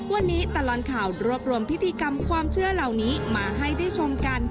วันนี้ตลอดข่าวรวบรวมพิธีกรรมความเชื่อเหล่านี้มาให้ได้ชมกัน